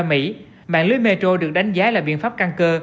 mạng lưới metro được đánh giá là biện pháp căn cơ